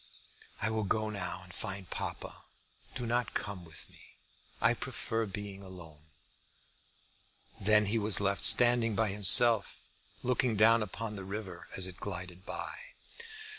I will go now and find papa. Do not come with me. I prefer being alone." Then he was left standing by himself, looking down upon the river as it glided by.